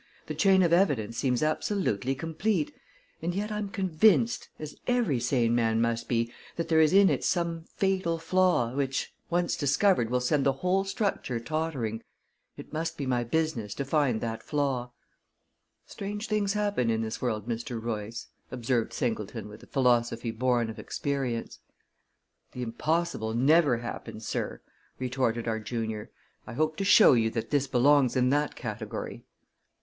The chain of evidence seems absolutely complete, and yet I'm convinced as every sane man must be that there is in it some fatal flaw, which, once discovered, will send the whole structure tottering. It must be my business to find that flaw." "Strange things happen in this world, Mr. Royce," observed Singleton with a philosophy born of experience. "The impossible never happens, sir!" retorted our junior. "I hope to show you that this belongs in that category."